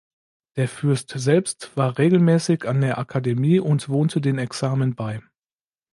Der Fürst selbst war regelmäßig an der Akademie und wohnte den Examen bei.